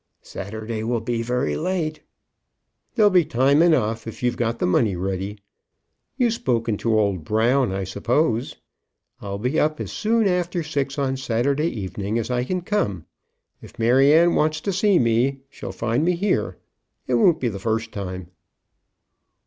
"Saturday will be very late." "There'll be time enough if you've got the money ready. You've spoken to old Brown, I suppose. I'll be up as soon after six on Saturday evening as I can come. If Maryanne wants to see me, she'll find me here. It won't be the first time."